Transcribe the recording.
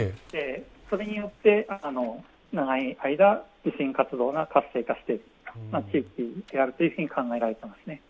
それによって、長い間地震活動が活性化している地域であると考えられていますね。